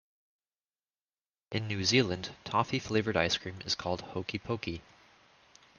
In New Zealand, toffee flavoured ice cream is called "hokey pokey".